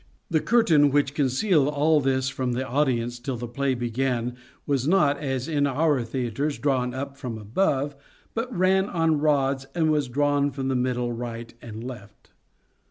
The curtain which concealed all this from the audience till the play began was not, as in our theatres, drawn up from above, but ran on rods, and was drawn from the middle right and left.